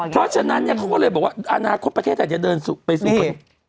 เพราะฉะนั้นเขาก็เลยบอกว่าอาณาคตประเทศจะเดินไปสู่